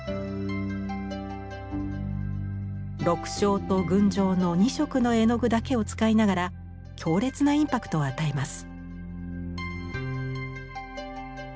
緑青と群青の２色の絵の具だけを使いながら強烈なインパクトを与えます。